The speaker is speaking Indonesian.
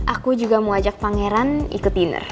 aku juga mau ajak pangeran ikut diner